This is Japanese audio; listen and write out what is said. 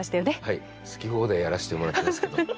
好き放題やらしてもらってますけど。